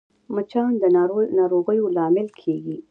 مچان د ناروغیو لامل کېږي